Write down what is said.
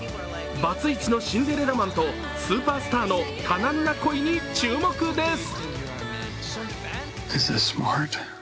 バツイチのシンデレラマンとスーパースターの多難な恋に注目です。